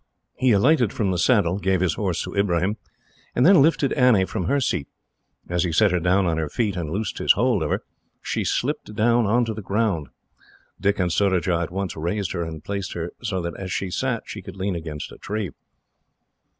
He alighted from the saddle, gave his horse to Ibrahim, and then lifted Annie from her seat. As he set her down on her feet, and loosed his hold of her, she slipped down on to the ground. Dick and Surajah at once raised her, and placed her so that, as she sat, she could lean against a tree.